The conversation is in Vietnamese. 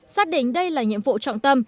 xác định đây là nhiệm vụ trọng tâm